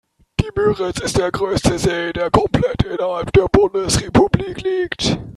Die Müritz ist der größte See, der komplett innerhalb der Bundesrepublik liegt.